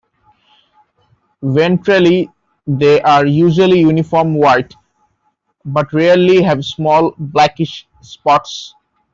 Ventrally they are usually uniform white, but rarely have small blackish spots.